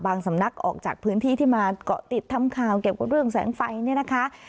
สำนักออกจากพื้นที่ที่มาเกาะติดทำข่าวเกี่ยวกับเรื่องแสงไฟเนี่ยนะคะ